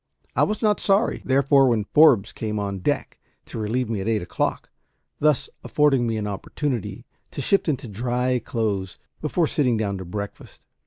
I was not sorry, therefore, when Forbes came on deck to relieve me at eight o'clock, thus affording me an opportunity to shift into dry clothes before sitting down to breakfast.